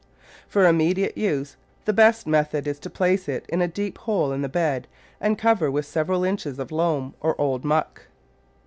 For immediate use the best method is to place it in a deep hole in the bed and cover with several inches of loam, or old muck.